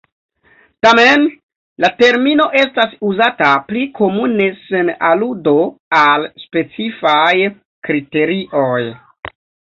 Tamen la termino estas uzata pli komune sen aludo al specifaj kriterioj.